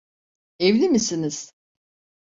Evli misiniz?